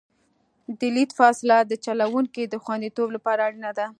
د لید فاصله د چلوونکي د خوندیتوب لپاره اړینه ده